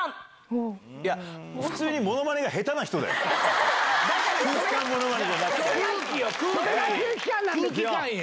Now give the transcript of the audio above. いや、普通にものまねが下手な人だよ。